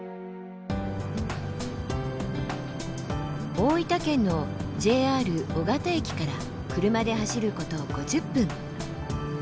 大分県のＪＲ緒方駅から車で走ること５０分。